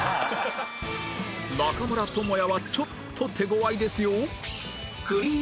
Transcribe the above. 中村倫也はちょっと手ごわいですよ